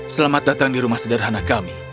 selamat datang di rumah sederhana kami